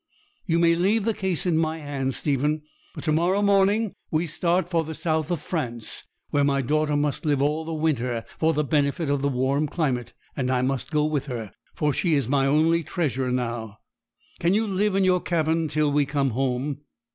You may leave the case in my hands, Stephen. But to morrow morning we start for the south of France, where my daughter must live all the winter for the benefit of the warm climate; and I must go with her, for she is my only treasure now. Can you live in your cabin till we come home?